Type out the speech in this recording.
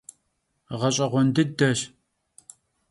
Ğeş'eğuen dıdeş.